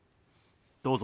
どうぞ。